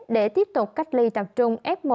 để tiếp tục cách ly tập trung f một